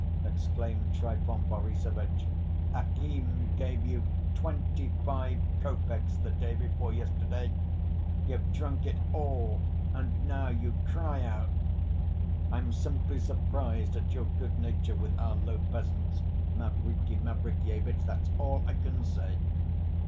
exclaimed Trifon Borissovitch. "Akim gave you twenty‐five copecks the day before yesterday. You've drunk it all and now you cry out. I'm simply surprised at your good‐nature, with our low peasants, Mavriky Mavrikyevitch, that's all I can say."